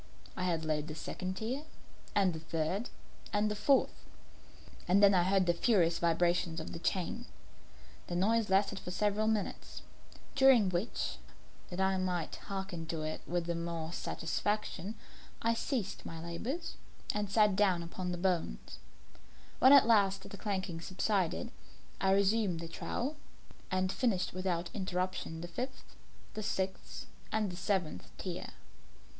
I laid the second tier, and the third, and the fourth; and then I heard the furious vibrations of the chain. The noise lasted for several minutes, during which, that I might hearken to it with the more satisfaction, I ceased my labours and sat down upon the bones. When at last the clanking subsided, I resumed the trowel, and finished without interruption the fifth, the sixth, and the seventh tier.